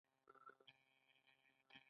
د مبادلاتو پراختیا ژوند نور هم اسانه کړ.